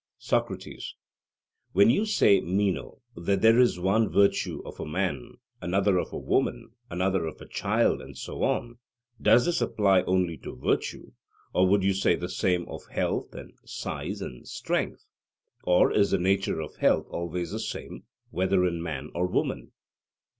SOCRATES: When you say, Meno, that there is one virtue of a man, another of a woman, another of a child, and so on, does this apply only to virtue, or would you say the same of health, and size, and strength? Or is the nature of health always the same, whether in man or woman?